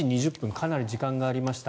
かなり時間がありました。